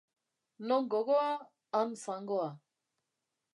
Non gogoa, han zangoa.